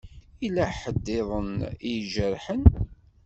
Yella ḥedd-iḍen ijerḥen?